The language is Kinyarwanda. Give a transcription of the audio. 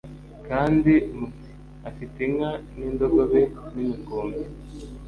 kandi muti “afite inka n’indogobe n’imikumbi